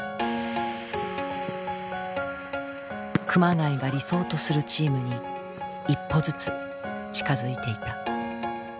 熊谷が理想とするチームに一歩ずつ近づいていた。